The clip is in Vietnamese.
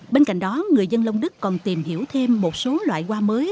bên cạnh đó người dân long đức còn tìm hiểu thêm một số loại hoa mới